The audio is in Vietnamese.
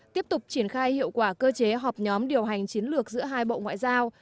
tiếp tục triển khai hiệu quả cơ chế họp nhóm điều hành chiến lược giữa hai bộ ngoại giao